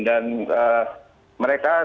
dan mereka saat ini